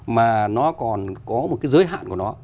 mà nó còn có một cái giới hạn của nó